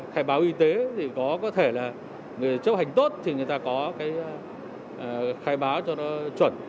khai báo y tế thì có thể là người chấp hành tốt thì người ta có cái khai báo cho nó chuẩn